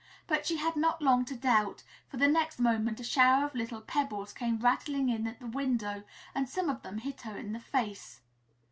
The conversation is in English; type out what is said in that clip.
But she had not long to doubt, for the next moment a shower of little pebbles came rattling in at the window and some of them hit her in the face.